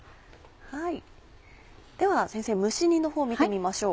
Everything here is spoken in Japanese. では先生蒸し煮のほうを見てみましょう。